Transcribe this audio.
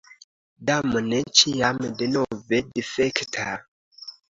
Damne, ĉiam denove difekta!